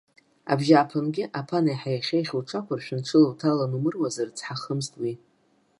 Абжьааԥынгьы, аԥан еиҳа иахьеиӷьу уҽақәыршәан, ҽыла уҭалан умыруазар, цҳа хымызт уи.